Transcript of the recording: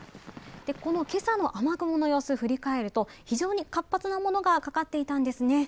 この今朝の雨雲の様子を振り返ると、非常に活発なものがかかっていたんですね。